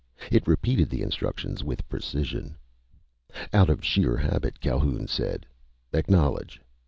It repeated the instructions with precision. Out of sheer habit, Calhoun said, "Acknowledge."